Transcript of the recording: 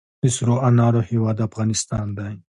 د سرو انارو هیواد افغانستان.